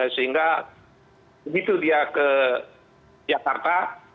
sehingga begitu dia ke jakarta